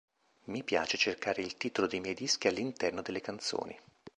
Mi piace cercare il titolo dei miei dischi all'interno delle canzoni.